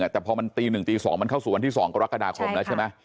แต่พอมันตี๑ตี๒มันเข้าสู่วันที่๒กรกฎาคมแล้วใช่ไหม